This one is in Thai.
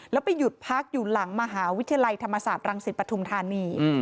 แล้วไปหยุดพักอยู่หลังมหาวิทยาลัยธรรมศาสตร์รังสิตปฐุมธานี